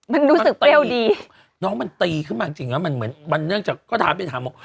มันรู้สึกเปรี้ยวดีน้องมันตีขึ้นมาจริงแล้วมันเหมือนมันเนื่องจากก็ถามไปถามบอก